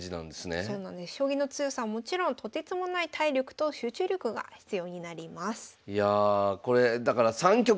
将棋の強さはもちろんとてつもない体力と集中力が必要になります。